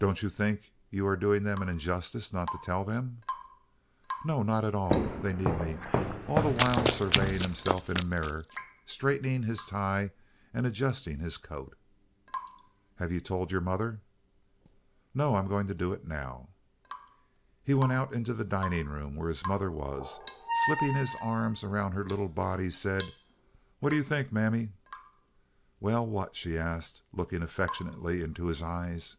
"Don't you think you are doing them an injustice not to tell them?" "Not at all. They need me." All the while surveying himself in a mirror, straightening his tie and adjusting his coat. "Have you told your mother?" "No. I'm going to do it now." He went out into the dining room, where his mother was, and slipping his arms around her little body, said: "What do you think, Mammy?" "Well, what?" she asked, looking affectionately into his eyes.